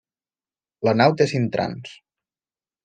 La nau té cinc trams.